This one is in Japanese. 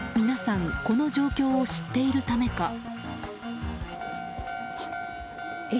皆さんこの状況を知っているためか。